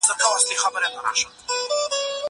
زه پرون د کتابتون د کار مرسته کوم!